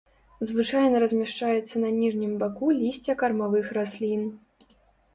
Звычайна размяшчаецца на ніжнім баку лісця кармавых раслін.